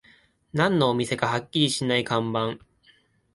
何のお店かはっきりしない看板